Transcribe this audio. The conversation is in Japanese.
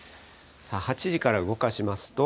８時から動かしますと。